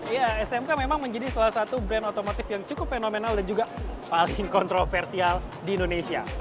ya smk memang menjadi salah satu brand otomotif yang cukup fenomenal dan juga paling kontroversial di indonesia